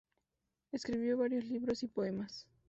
Escribió varios libros y poemas.